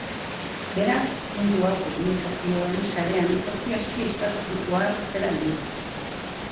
Beraz, puntu hau komunikazioen sarean toki aski estrategikoa zela dirudi.